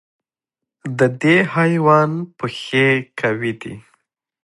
د دې حیوان پښې قوي دي.